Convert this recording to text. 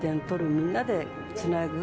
みんなでつなぐ。